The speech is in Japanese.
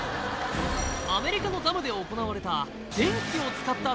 アメリカのダムで行われた